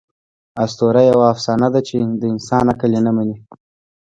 آسطوره یوه افسانه ده، چي د انسان عقل ئې نه مني.